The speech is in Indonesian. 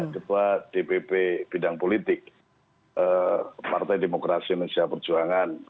ketua dpp bidang politik partai demokrasi indonesia perjuangan